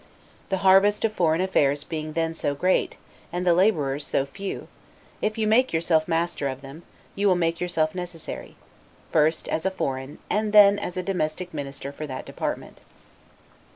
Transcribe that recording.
The harvest of foreign affairs being then so great, and the laborers so few, if you make yourself master of them, you will make yourself necessary; first as a foreign, and then as a domestic minister for that department.